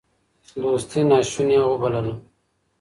دوستي ناشوني وبلله